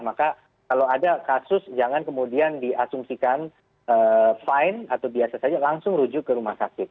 maka kalau ada kasus jangan kemudian diasumsikan fine atau biasa saja langsung rujuk ke rumah sakit